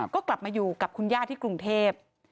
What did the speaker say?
ก็กลับมาอยู่กับคุณย่าที่กรุงเทพ